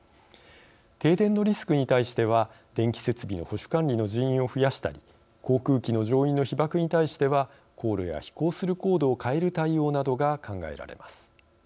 停電のリスクに対しては電気設備の保守管理の人員を増やしたり航空機の乗員の被ばくに対しては航路や飛行する高度を変える対応などが考えられます。